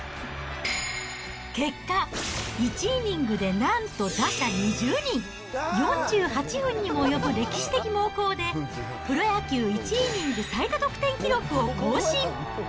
結果、１イニングでなんと打者２０人、４８分にも及ぶ歴史的猛攻で、プロ野球１イニング最多得点記録を更新。